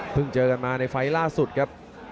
เจอกันมาในไฟล์ล่าสุดครับ